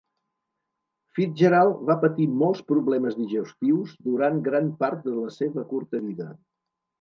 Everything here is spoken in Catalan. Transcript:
FitzGerald va patir molts problemes digestius durant gran part de la seva curta vida.